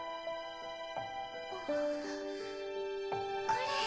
これ。